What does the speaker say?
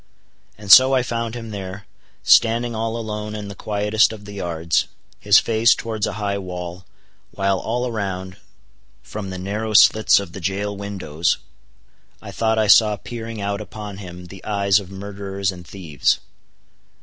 And so I found him there, standing all alone in the quietest of the yards, his face towards a high wall, while all around, from the narrow slits of the jail windows, I thought I saw peering out upon him the eyes of murderers and thieves.